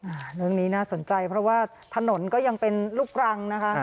เรื่องนี้น่าสนใจเพราะว่าถนนก็ยังเป็นลูกรังนะคะ